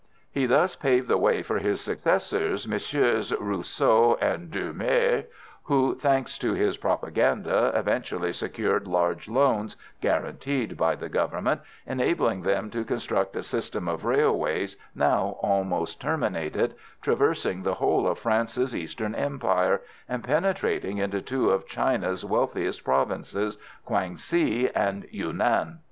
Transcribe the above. He thus paved the way for his successors, MM. Rousseau and Doumer, who, thanks to his propaganda, eventually secured large loans, guaranteed by the Government, enabling them to construct a system of railways now almost terminated, traversing the whole of France's Eastern Empire, and penetrating into two of China's wealthiest provinces, Kwang si and Yunan.